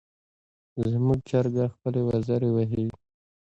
زموږ چرګه خپلې وزرې وهي.